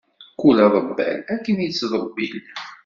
Kul aḍebbal akken ittḍebbil.